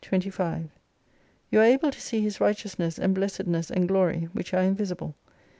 25 You are able to see His righteousness, and blessed ness, and glory, which are invisible.